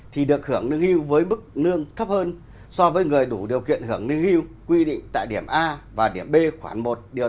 thì được hưởng lương hưu với mức lương thấp hơn so với người đủ điều kiện hưởng lương hưu quy định tại điểm a và điểm b khoảng một năm